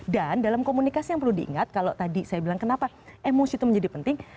dan dalam komunikasi yang perlu diingat kalau tadi saya bilang kenapa emosi itu menjadi penting